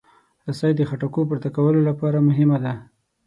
رسۍ د خټکو د پورته کولو لپاره مهمه ده.